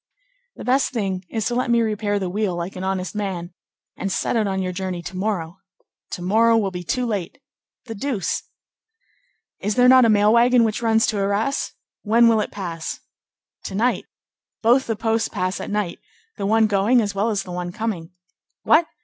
"The best thing is to let me repair the wheel like an honest man, and set out on your journey to morrow." "To morrow will be too late." "The deuce!" "Is there not a mail wagon which runs to Arras? When will it pass?" "To night. Both the posts pass at night; the one going as well as the one coming." "What!